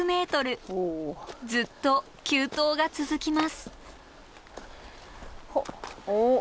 ずっと急登が続きます。